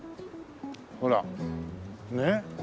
ほらねえ。